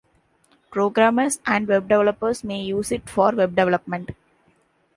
Programmers and web developers may use it for web development.